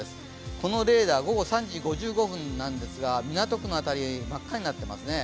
このレーダー３時５５分なんですが、港区の辺り真っ赤になっていますね。